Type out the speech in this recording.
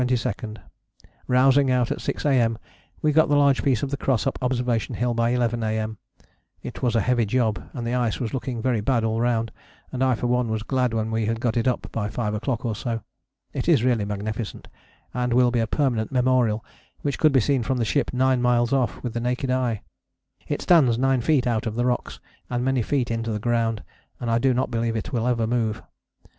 _ Rousing out at 6 A.M. we got the large piece of the cross up Observation Hill by 11 A.M. It was a heavy job, and the ice was looking very bad all round, and I for one was glad when we had got it up by 5 o'clock or so. It is really magnificent, and will be a permanent memorial which could be seen from the ship nine miles off with a naked eye. It stands nine feet out of the rocks, and many feet into the ground, and I do not believe it will ever move.